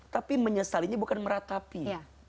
tapi menyesalinya bukan meratapi